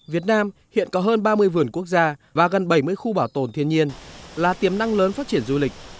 việt nam hiện có hơn ba mươi vườn quốc gia và gần bảy mươi khu bảo tồn thiên nhiên là tiềm năng lớn phát triển du lịch